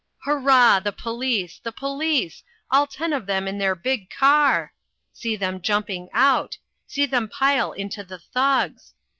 Hoorah! the police! the police! all ten of them in their big car see them jumping out see them pile into the thugs!